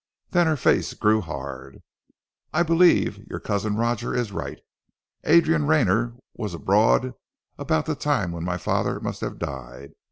Then her face grew hard. "I believe, your cousin Roger is right. Adrian Rayner was abroad about the time when my father must have died.